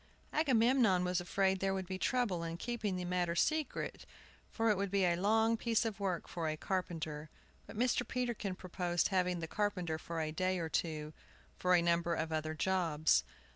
Agamemnon was afraid there would be trouble in keeping the matter secret, for it would be a long piece of work for a carpenter; but Mr. Peterkin proposed having the carpenter for a day or two, for a number of other jobs.